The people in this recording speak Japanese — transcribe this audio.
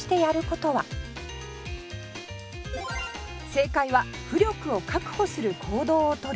「正解は浮力を確保する行動を取る」